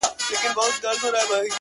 یو څوک دي ووایي چي کوم هوس ته ودرېدم ؛